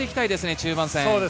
中盤戦。